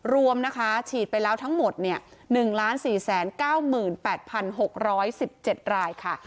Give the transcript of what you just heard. รวมนะคะฉีดไปแล้วทั้งหมด๑๔๙๘๖๑๗รายค่ะ